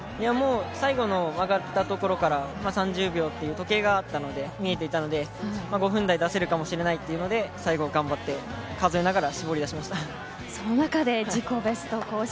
最後の曲がった所から３０秒という時計が見えていたので５分台出せるかもしれないというところで最後に頑張ってその中で自己ベスト更新